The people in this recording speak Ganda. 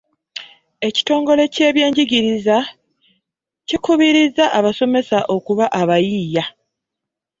Ekitongole ky'ebyenjigiriza ki kubirizza abasomesa okuba abayiiya.